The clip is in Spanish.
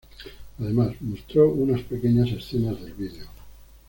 Además, mostró unas pequeñas escenas del vídeo.